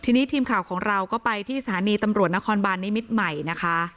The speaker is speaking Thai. ทีนี้ทีมข่าวของเราก็ไปที่สถานีตำรวจนครบานนิมิตรใหม่นะคะ